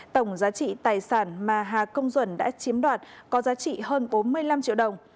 tổng giá trị tài sản mà hà công duẩn đã chiếm đoạt có giá trị hơn bốn mươi năm triệu đồng